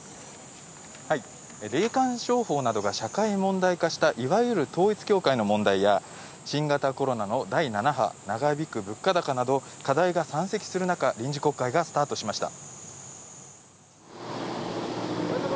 霊感商法などが社会問題化した、いわゆる統一教会の問題や新型コロナの第７波、長引く物価高など課題が山積する中、臨時国会がスタートしました。